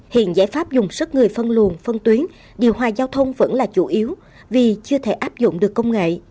hiện giải pháp dùng sức người phân luồn phân tuyến điều hòa giao thông vẫn là chủ yếu vì chưa thể áp dụng được công nghệ